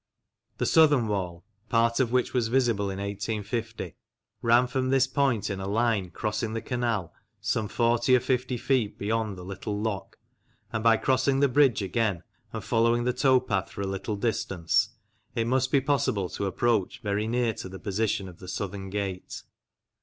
The southern wall (part of which was visible in 1850) ran from this point in a line crossing the canal some forty or fifty feet beyond the little lock, and by crossing the bridge again and following the towpath for a little distance it must be possible to approach very near to the position of the southern gate.